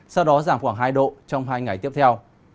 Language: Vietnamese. sau đó giảm khoảng hai độ trong hai ngày tiếp theo